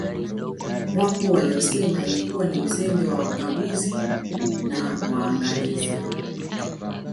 Wapo waliosema ilikuwa ni Uzembe wa Wakaguzi wa na Waangalizi